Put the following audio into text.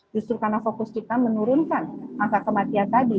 justru karena fokus kita menurunkan angka kematian tadi